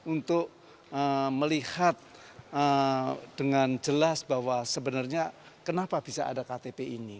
untuk melihat dengan jelas bahwa sebenarnya kenapa bisa ada ktp ini